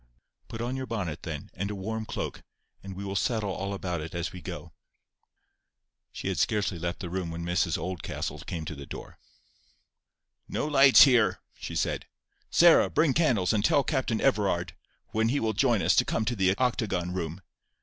"Put on your bonnet, then, and a warm cloak, and we will settle all about it as we go." She had scarcely left the room when Mrs Oldcastle came to the door. "No lights here!" she said. "Sarah, bring candles, and tell Captain Everard, when he will join us, to come to the octagon room.